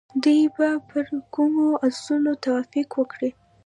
دوی به پر کومو اصولو توافق وکړي؟